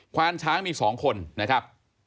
ความช้างมี๒คนนะครับ